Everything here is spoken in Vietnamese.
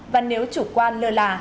và nếu chủ quan lừa là